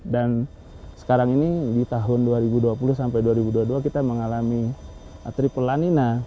sekarang ini di tahun dua ribu dua puluh sampai dua ribu dua puluh dua kita mengalami triple lanina